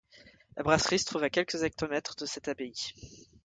La brasserie se trouve à quelques hectomètres de cette abbaye.